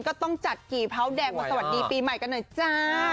ก็ต้องจัดกี่เผาแดงมาสวัสดีปีใหม่กันหน่อยจ้า